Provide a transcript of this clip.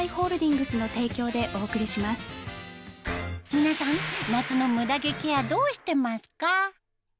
皆さん夏のムダ毛ケアどうしてますか？